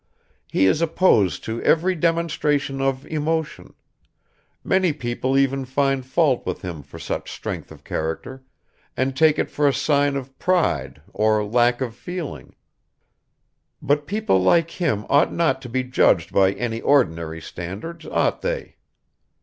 He is opposed to every demonstration of emotion; many people even find fault with him for such strength of character, and take it for a sign of pride or lack of feeling; but people like him ought not to be judged by any ordinary standards, ought they?